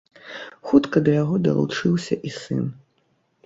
Хутка да яго далучыўся і сын.